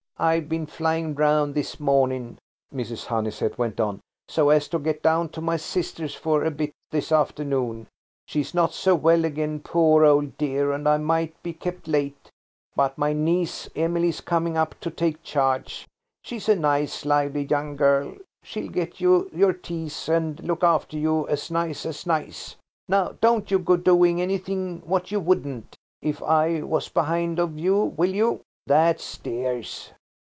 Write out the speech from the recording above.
"I've been flying round this morning," Mrs. Honeysett went on, "so as to get down to my sister's for a bit this afternoon. She's not so well again, poor old dear, and I might be kept late. But my niece Emily's coming up to take charge. She's a nice lively young girl; she'll get you your teas, and look after you as nice as nice. Now don't you go doing anything what you wouldn't if I was behind of you, will you? That's dears."